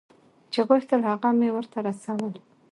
چې غوښتل هغه مې ورته رسول.